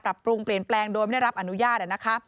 ปรุงเปลี่ยนแปลงโดยไม่รับอนุญาต